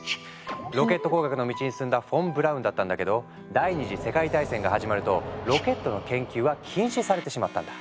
ロケット工学の道に進んだフォン・ブラウンだったんだけど第二次世界大戦が始まるとロケットの研究は禁止されてしまったんだ。